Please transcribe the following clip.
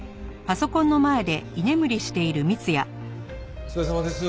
お疲れさまです。